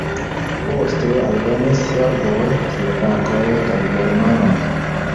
Poste alvenis serboj, slovakoj kaj germanoj.